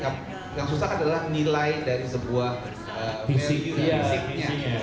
tapi yang susah adalah nilai dari sebuah versi fisiknya